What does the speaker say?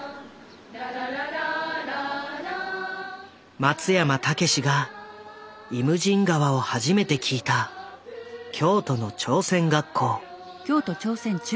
松山猛が「イムジン河」を初めて聴いた京都の朝鮮学校。